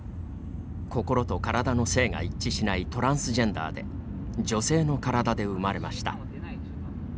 心と体の性が一致しないトランスジェンダーで女性の体で生まれました。